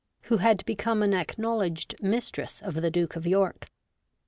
77 who had become an acknowledged mistress of the Duke of York.